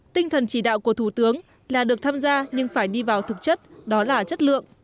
tinh thần chỉ đạo của thủ tướng là được tham gia nhưng phải đi vào thực chất đó là chất lượng